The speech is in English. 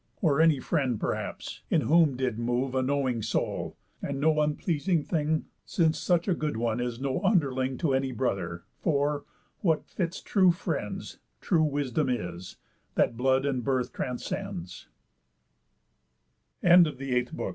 Or any friend perhaps, in whom did move A knowing soul, and no unpleasing thing? Since such a good one is no underling To any brother; for, what fits true friends, True wisdom is, that blood and birth